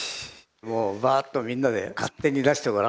もうバーッとみんなで勝手に出してごらん。